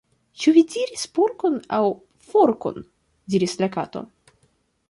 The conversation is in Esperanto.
"Ĉu vi diris porkon, aŭ forkon?" diris la Kato.